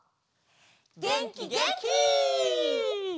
げんきげんき！